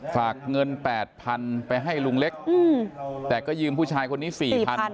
ฝากเงิน๘๐๐๐ไปให้ลุงเล็กแต่ก็ยืมผู้ชายคนนี้๔๐๐